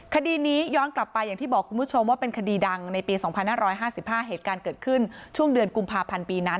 คดีนี้ย้อนกลับไปอย่างที่บอกคุณผู้ชมว่าเป็นคดีดังในปี๒๕๕๕เหตุการณ์เกิดขึ้นช่วงเดือนกุมภาพันธ์ปีนั้น